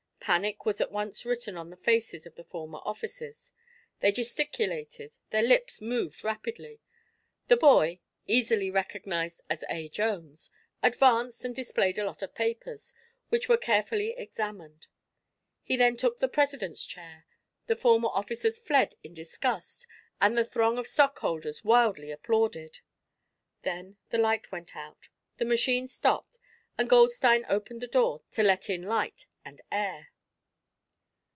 Panic was at once written on the faces of the former officers. They gesticulated; their lips moved rapidly. The boy, easily recognized as A. Jones, advanced and displayed a lot of papers, which were carefully examined. He then took the president's chair, the former officers fled in disgust and the throng of stockholders wildly applauded. Then the light went out, the machine stopped, and Goldstein opened the door to let in light and air.